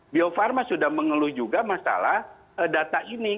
biofarma sudah mengeluh juga masalah data ini